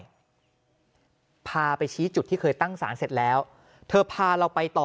พาไปชี้จุดที่เคยตั้งสารเสร็จแล้วเธอพาเราไปต่อ